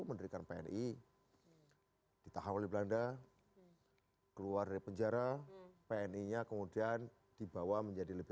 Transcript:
mendirikan pni ditahan oleh belanda keluar dari penjara pni nya kemudian dibawa menjadi lebih